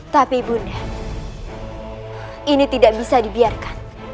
tapi bunda ini tidak bisa dibiarkan